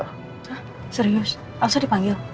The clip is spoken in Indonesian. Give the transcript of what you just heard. hah serius elsa dipanggil